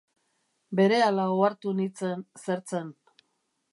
Berehala ohartu nintzen zer zen.